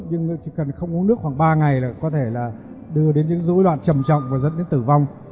nhưng chỉ cần không uống nước khoảng ba ngày là có thể là đưa đến những dối loạn trầm trọng và dẫn đến tử vong